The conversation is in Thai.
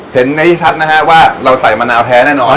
เห็นได้ชัดนะฮะว่าเราใส่มะนาวแท้แน่นอน